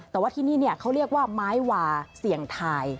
แต่ว่าที่นี่เขาเรียกว่าไม้วาเสี่ยงทาย